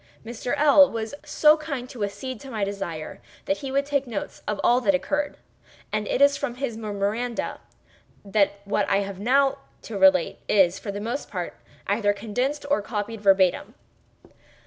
Mr. L—l was so kind as to accede to my desire that he would take notes of all that occurred, and it is from his memoranda that what I now have to relate is, for the most part, either condensed or copied verbatim.